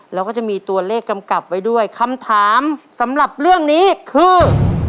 แล้วก็จะมีตัวเลขกำกับไว้ด้วยคำถามสำหรับเรื่องนี้คือ